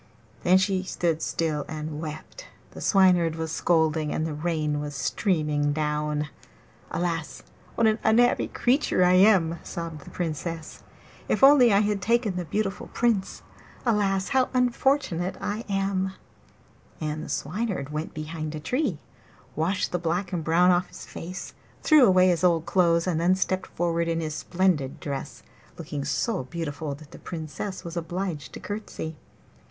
Then she stood still and wept; the Swineherd was scolding, and the rain was streaming down. 'Alas, what an unhappy creature I am!' sobbed the Princess. 'If only I had taken the beautiful Prince! Alas, how unfortunate I am!' And the Swineherd went behind a tree, washed the black and brown off his face, threw away his old clothes, and then stepped forward in his splendid dress, looking so beautiful that the Princess was obliged to courtesy.